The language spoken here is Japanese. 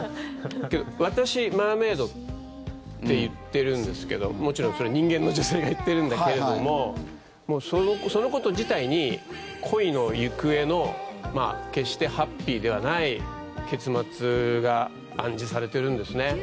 私、マーメイドって言ってるんですけどもちろん、それは人間の女性が言ってるんだけどもそのこと自体に恋の行方の決してハッピーではない結末が暗示されてるんですね。